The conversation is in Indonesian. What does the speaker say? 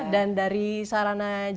dan dari saranaja